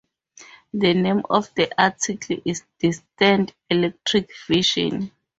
The name of the article is "Distant Electric Vision".